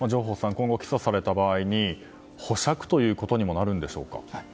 今後、起訴された場合保釈ということになるんでしょうか。